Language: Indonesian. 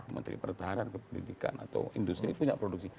menteri pertahanan kependidikan atau industri punya produksi